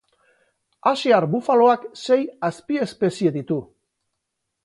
Asiar bufaloak sei azpiespezie ditu.